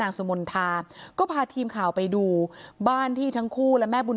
สมนทาก็พาทีมข่าวไปดูบ้านที่ทั้งคู่และแม่บุญ